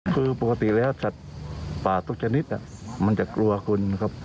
คือปกติแล้วสัตว์ป่าทุกชนิดมันจะกลัวคนครับ